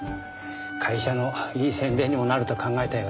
会社のいい宣伝にもなると考えたようで。